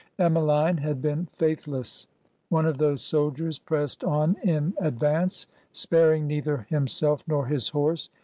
Emmeline had been faith less. One of those soldiers pressed on in advance, spar ing neither himself nor his horse.